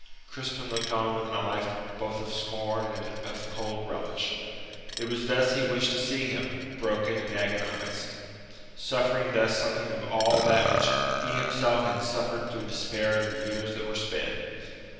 Crispin looked on with an eye both of scorn and of cold relish. It was thus he wished to see him, broken and agonized, suffering thus something of all that which he himself had suffered through despair in the years that were sped.